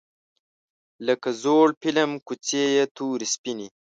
لکه زوړ فیلم کوڅې یې تورې سپینې